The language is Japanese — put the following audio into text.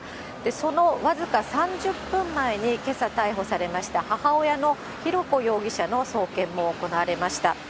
その僅か３０分前にけさ逮捕されました、母親の浩子容疑者の送検も行われました。